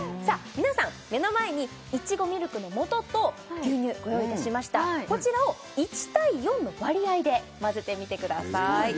皆さん目の前にいちごミルクのもとと牛乳ご用意いたしましたこちらを１対４の割合で混ぜてみてください